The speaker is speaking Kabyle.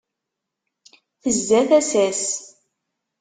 Tezza tasa-s.